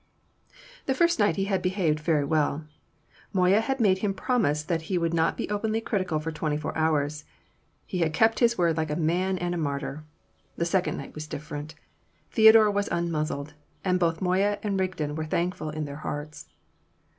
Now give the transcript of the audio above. The first night he had behaved very well. Moya had made him promise that he would not be openly critical for twenty four hours. He had kept his word like a man and a martyr. The second night was different. Theodore was unmuzzled. And both Moya and Rigden were thankful in their hearts.